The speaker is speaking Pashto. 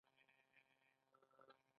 د زردشت دین په بلخ کې پیدا شو